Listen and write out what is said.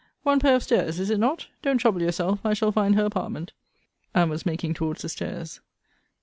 One pair of stairs; is it not? Don't trouble yourself I shall find her apartment. And was making towards the stairs.